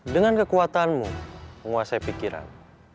dengan kekuatanmu menguasai pikiran